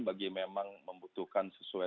bagi memang membutuhkan sesuai